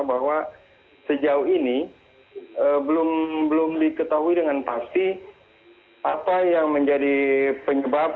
bahwa sejauh ini belum diketahui dengan pasti apa yang menjadi penyebab